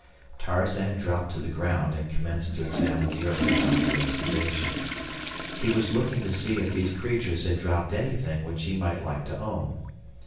Tarzan dropped to the ground and commenced to examine the earth about the excavation. He was looking to see if these creatures had dropped anything which he might like to own.